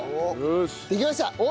できました！